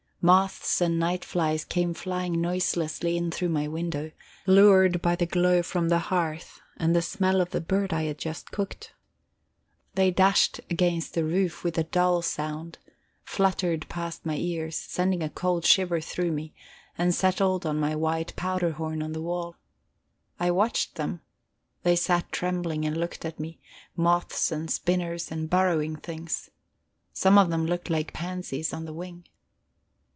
Moths and night flies came flying noiselessly in through my window, lured by the glow from the hearth and the smell of the bird I had just cooked. They dashed against the roof with a dull sound, fluttered past my ears, sending a cold shiver through me, and settled on my white powder horn on the wall. I watched them; they sat trembling and looked at me moths and spinners and burrowing things. Some of them looked like pansies on the wing.